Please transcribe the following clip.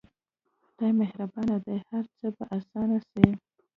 خداى مهربان دى هر څه به اسانه سي.